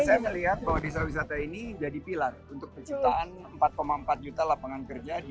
saya melihat bahwa desa wisata ini jadi pilar untuk kejutaan empat empat juta lapangan kerja di dua ribu dua puluh empat